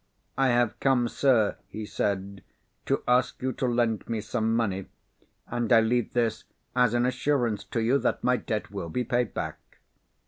"I have come, sir," he said, "to ask you to lend me some money. And I leave this as an assurance to you that my debt will be paid back."